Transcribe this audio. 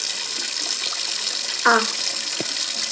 Fer més preguntes que la doctrina.